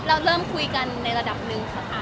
เราเริ่มคุยกันในระดับหนึ่งค่ะ